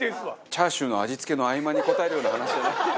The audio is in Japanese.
チャーシューの味付けの合間に答えるような話じゃない。